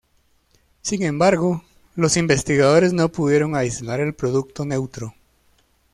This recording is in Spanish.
Sin embargo, los investigadores no pudieron aislar el producto neutro.